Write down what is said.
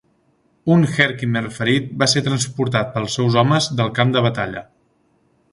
Un Herkimer ferit va ser transportat pels seus homes del camp de batalla.